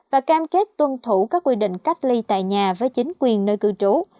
và cam kết tuân thủ các quy định cách ly tại nhà với chính quyền nơi cư trú